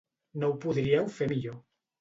No ho podríeu fer millor.